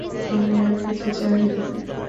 আমি আর কিছু চাহি না।